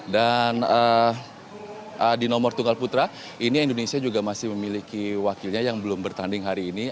dan di nomor tunggal putra ini indonesia juga masih memiliki wakilnya yang belum bertanding hari ini